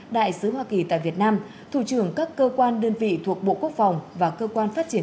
đại sứ hoa kỳ tại việt nam thủ trưởng các cơ quan đơn vị thuộc bộ quốc phòng và cơ quan phát triển